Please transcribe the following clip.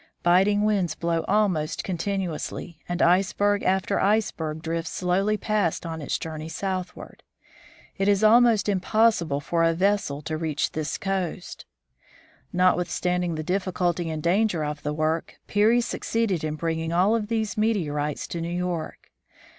Biting winds blow almost continuously, and iceberg after iceberg drifts slowly past on its journey southward. It is almost impossible for a vessel to reach this coast. PEARY CROSSES GREENLAND 147 Notwithstanding the difficulty and danger of the work, Peary succeeded in bringing all of these meteorites to New York.